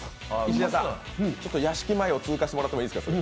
石田さん、屋敷前を通過してもらってもいいですか。